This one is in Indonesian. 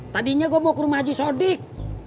tadinya gue mau ke rumah haji sodik